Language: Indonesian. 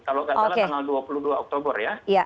kalau tidak salah tanggal dua puluh dua oktober ya